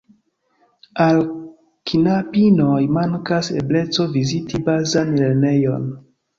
Al knabinoj mankas ebleco viziti bazan lernejon.